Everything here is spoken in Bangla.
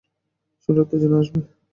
শরীরে উত্তেজনা আসবে।